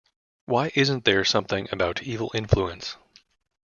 Why, isn't there something about evil influence?